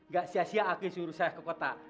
gak sia sia aki suruh saya ke kota